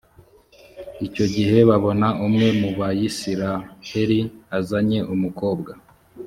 icyo gihe babona umwe mu bayisraheli azanye umukobwa.